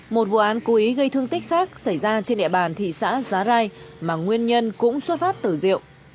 một số thông tin khác xảy ra trên địa bàn thị xã giá rai mà nguyên nhân cũng xuất phát từ diệu